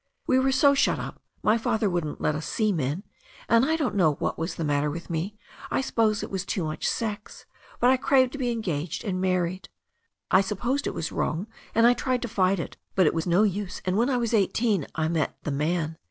We were so shut up — ^my father wouldn't let us see men — and I don't know what was the matter with me, I suppose it was too much sex — ^but I craved to be engaged and married. I supposed it was wrong and I tried to fight it, but it was no use^ and when I was eighteen I met the man.